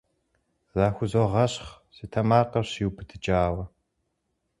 Захузогъэщхъ, си тэмакъыр щиубыдыкӀауэ.